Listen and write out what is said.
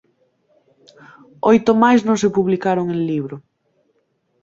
Oito máis non se publicaron en libro.